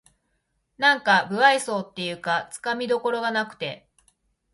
なんか無愛想っていうかつかみどころがなくて